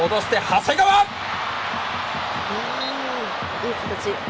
いい形。